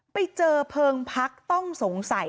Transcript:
ไปเจอเพลิงพักต้องสงสัย